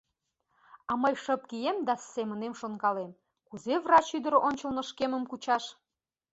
А мый шып кием да семынем шонкалем, кузе врач ӱдыр ончылно шкемым кучаш.